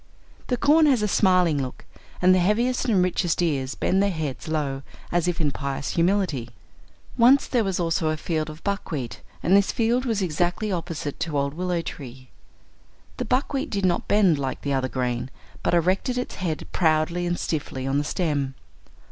The corn has a smiling look and the heaviest and richest ears bend their heads low as if in pious humility. Once there was also a field of buckwheat, and this field was exactly opposite to old willow tree. The buckwheat did not bend like the other grain, but erected its head proudly and stiffly on the stem.